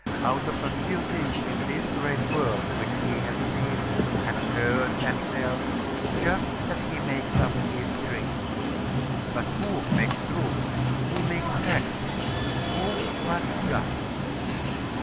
Out of a few things in this great world which he has seen, and heard, and felt, just as he makes up his dreams. But who makes truth? Who makes facts? Who, but God?